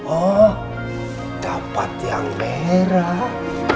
oh dapat yang merah